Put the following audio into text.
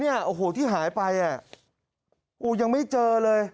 นี่ที่หายไปยังไม่เจอเลย